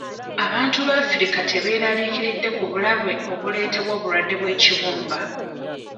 Abantu mu Africa tebeeraliikiridde ku bulabe obuleetebwa obulwadde bw'ekibumba.